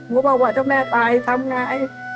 ก็บอกว่าเจ้าแม่ตายทำงาน